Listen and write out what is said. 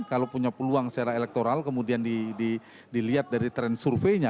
kalau punya peluang secara elektoral kemudian dilihat dari tren surveinya